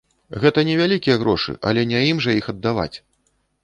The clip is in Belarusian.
Гэта невялікія грошы, але не ім жа іх аддаваць.